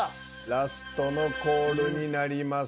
ラストのコールになります。